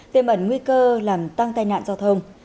tiêm ẩn nguy cơ làm tăng tai nạn giao thông